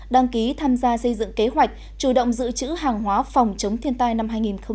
đăng ký tham gia xây dựng kế hoạch chủ động dự trữ hàng hóa phòng chống thiên tai năm hai nghìn một mươi chín